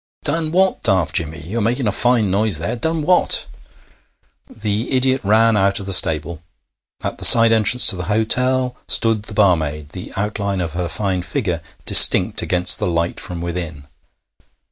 'Done what, Daft Jimmy? You're making a fine noise there! Done what?' The idiot ran out of the stable. At the side entrance to the hotel stood the barmaid, the outline of her fine figure distinct against the light from within.